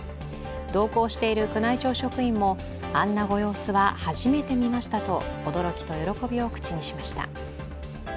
同行している宮内庁職員もあんなご様子は初めて見ましたと驚きと喜びを口にしました。